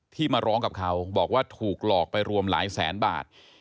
มาร้องกับเขาบอกว่าถูกหลอกไปรวมหลายแสนบาท